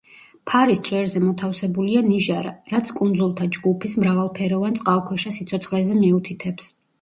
ფარის წვერზე მოთავსებულია ნიჟარა, რაც კუნძულთა ჯგუფის მრავალფეროვან წყალქვეშა სიცოცხლეზე მიუთითებს.